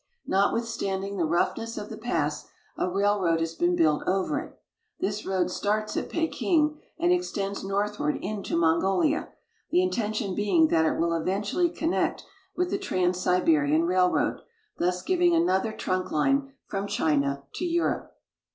Not withstanding the roughness of the pass, a railroad has been built over it. This road starts at Peking and ex tends northward into Mongolia, the intention being that it will eventually connect with the Trans Siberian Railroad, thus giving another trunk line from China to Europe.